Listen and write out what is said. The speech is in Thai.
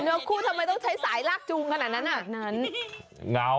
เนื้อคู่ทำไมต้องใช้สายลากจุงกันอ่ะ